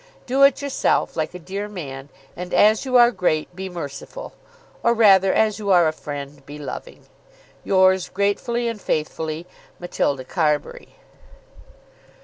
Do it yourself, like a dear man, and, as you are great, be merciful. Or rather, as you are a friend, be loving. Yours gratefully and faithfully, MATILDA CARBURY.